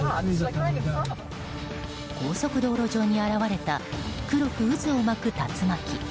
高速道路上に現れた黒く渦を巻く竜巻。